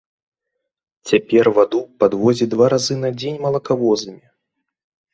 Цяпер ваду падвозяць два разы на дзень малакавозамі.